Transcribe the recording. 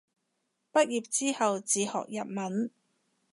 畢業之後自學日文